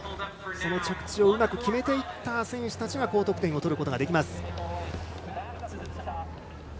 その着地をうまく決めていった選手たちが高得点を取ることができます。